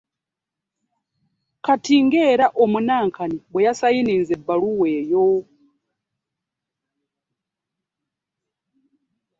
Kaakati ng’era obunankani bwe y’asayininze ebbaluwa eyo.